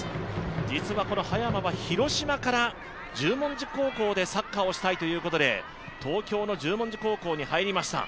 実はこの早間は広島から十文字高校でサッカーをしたいということで、東京の十文字高校に入りました。